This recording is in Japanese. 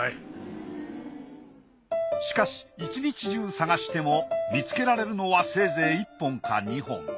しかし１日中探しても見つけられるのはせいぜい１本か２本。